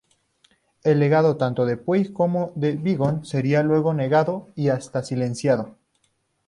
El legado tanto de Puig como de Vigón sería luego negado y hasta silenciado.